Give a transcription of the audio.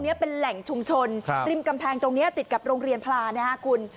เป็นแหล่งชุมชนริมกำแพงตรงนี้ติดกับโรงเรียนพลานะฮะคุณ